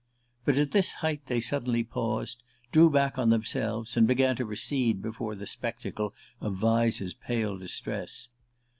But at this height they suddenly paused, drew back on themselves, and began to recede before the spectacle of Vyse's pale distress.